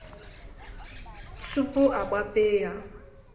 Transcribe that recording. tupu a gbapee ya.